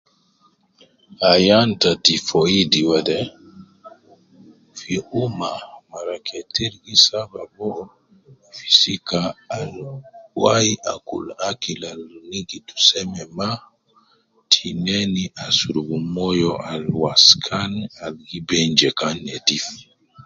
Ayan ta tifoudi wede, fi umma, mara ketir gi sabab uwo fi sika al wai akul akil al nigitu seme ma, tineni asurub moyo al waskan al gi ben je kan nedif